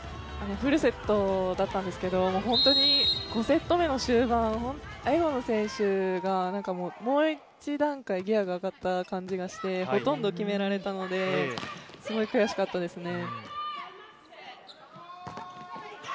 フルセットだったんですけど、５セット目の終盤エゴヌ選手がもう一段階ギアが上がった感じがして、ほとんど決められたので、すごい悔しかったですね。